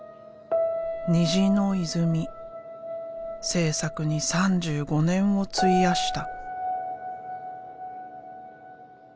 制作に３５年を費やした。